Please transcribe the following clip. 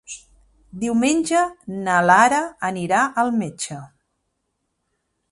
Diumenge na Lara anirà al metge.